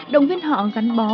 đồng viên họ gắn bó